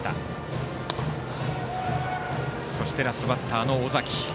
ラストバッターの尾崎。